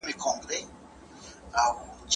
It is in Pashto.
توهین د ټولني فضا خرابوي.